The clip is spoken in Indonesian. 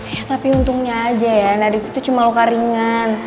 ya tapi untungnya aja ya nadif itu cuma lo karingan